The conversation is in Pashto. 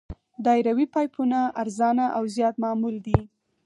دایروي پایپونه ارزانه او زیات معمول دي